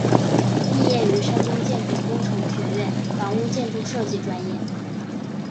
毕业于山东建筑工程学院房屋建筑设计专业。